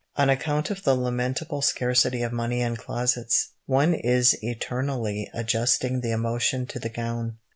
On account of the lamentable scarcity of money and closets, one is eternally adjusting the emotion to the gown.